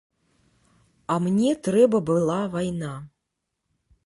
А мне трэба была вайна.